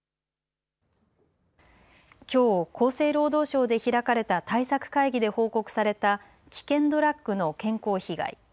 きょう厚生労働省で開かれた対策会議で報告された危険ドラッグの健康被害。